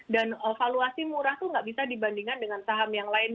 dan valuasi murah itu nggak bisa dibandingkan dengan saham yang lainnya